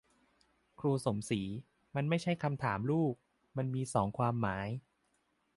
ครูสมศรี : มันไม่ใช่คำถามลูก มันมีสองความหมาย